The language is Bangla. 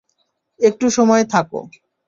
একটু সময় থাক।